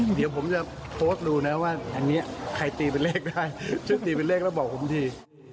เดี๋ยวผมจะโพสต์ดูนะว่าอันนี้ใครตีเป็นเลขได้โชคดีเป็นเลขแล้วบอกผมที